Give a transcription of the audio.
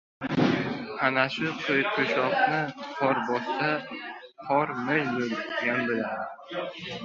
Ana shu qo‘yqushoqni qor bossa, qor mo‘l bo‘lgan bo‘ladi.